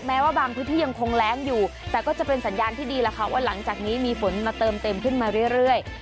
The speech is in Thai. แม้ว่าบางพื้นที่ยังคงแรงอยู่แต่ก็จะเป็นสัญญาณที่ดีแล้วค่ะว่าหลังจากนี้มีฝนมาเติมเต็มขึ้นมาเรื่อย